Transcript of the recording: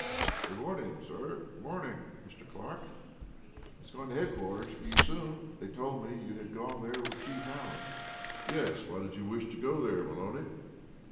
"Good morning, sir; good morning, Mr. Clark. I was going to headquarters for you soon, sir; they told me you had gone there with Chief Hallen " "Yes! Why did you wish to go there, Maloney?"